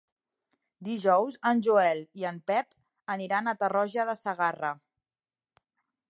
Dijous en Joel i en Pep aniran a Tarroja de Segarra.